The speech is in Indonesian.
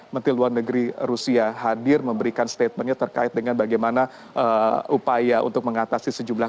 menteri luar negeri rusia hadir memberikan statementnya terkait dengan bagaimana upaya untuk mengatasi sejumlah